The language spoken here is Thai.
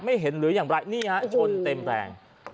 เห็นหรืออย่างไรนี่ฮะชนเต็มแรง